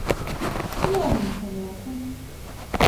Kim olduğumu sanıyorsun?